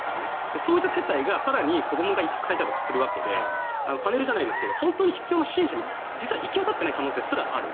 そういう世帯が子どもがたくさんいるとかあるわけでパネルじゃないですが本当に必要な支援者に行き渡っていない可能性すらある。